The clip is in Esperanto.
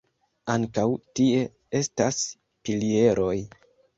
Ankaŭ tie estas pilieroj.